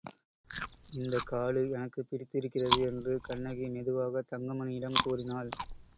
இந்தக் காடு எனக்குப் பிடித்திருக்கிறது என்று கண்ணகி மெதுவாகத் தங்கமணியிடம் கூறினாள்.